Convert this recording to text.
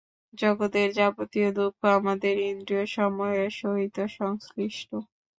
জগতের যাবতীয় দুঃখ আমাদের ইন্দ্রিয়সমূহের সহিত সংশ্লিষ্ট।